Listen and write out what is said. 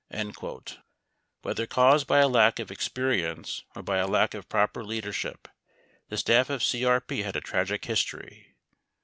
28 AVhether caused by a lack of experience or by a lack of proper leader ship, the staff of CEP had a tragic history.